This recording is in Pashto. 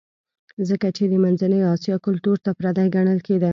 ځکه چې د منځنۍ اسیا کلتور ته پردی ګڼل کېده